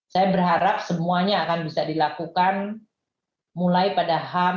saya berharap semuanya akan bisa dilakukan mulai pada ham